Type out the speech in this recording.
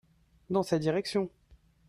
Dans sa direction.